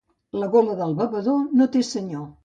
La gola del bevedor no té senyor.